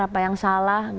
apa yang salah